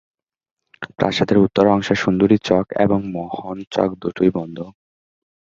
প্রাসাদের উত্তর অংশের সুন্দরী চক এবং মোহন চক দুটোই বন্ধ।